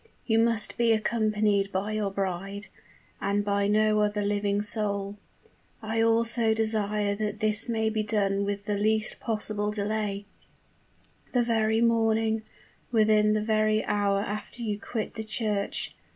You must be accompanied by your bride and by no other living soul. I also desire that this may be done with the least possible delay the very morning within the very hour after you quit the church.